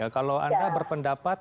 kalau anda berpendapat